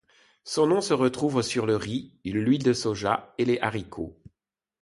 Son nom se retrouve sur le riz, l'huile du soja et les haricots.